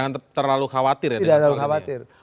terlalu khawatir ya